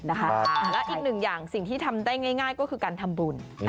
และอีกหนึ่งอย่างสิ่งที่ทำได้ง่ายก็คือการทำบุญ